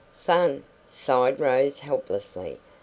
"Fun!" sighed Rose helplessly.